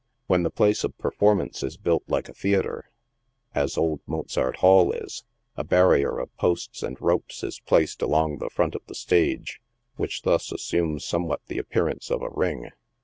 When the place of performance is built like a theatre — as old Mozart Hall is — a barrier of posts and ropes is placed along the front of the stage, which thus assumes somewhat the ap THE PUGILISTS. 83 pearance of a " ring."